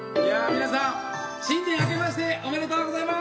皆さんあけましておめでとうございます。